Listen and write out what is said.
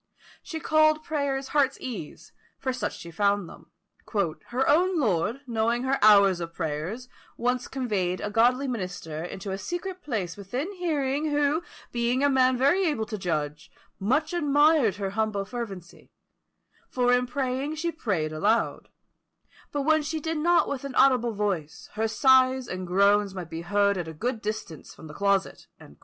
She called prayers heart's ease, for such she found them. "Her own lord, knowing her hours of prayers, once conveyed a godly minister into a secret place within hearing, who, being a man very able to judge, much admired her humble fervency; for in praying she prayed aloud; but when she did not with an audible voice, her sighs and groans might be heard at a good distance from the closet."